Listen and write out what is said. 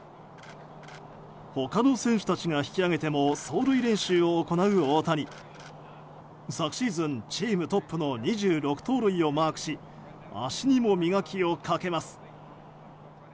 他の選手たちが引き揚げても走塁練習を行う大谷。昨シーズン、チームトップの２６盗塁をマークし足にも磨きをかけます。